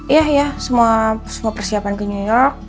iya ya semua persiapan ke new york